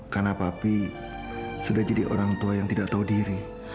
karena papi sudah jadi orang tua yang tidak tahu diri